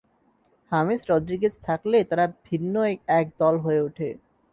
James Rodriguez থাকলে তারা ভিন্ন এক দল হয়ে ওঠে।